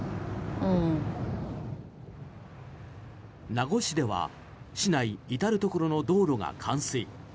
名護市では市内至るところの道路が冠水。